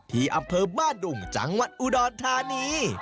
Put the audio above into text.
ที่อำเภอบ้านดุงจังหวัดอุดรธานี